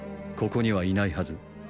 ここにはいないはず